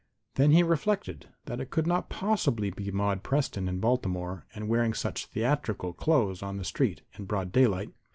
Then he reflected that it could not possibly be Maude Preston in Baltimore and wearing such theatrical clothes on the street in broad daylight.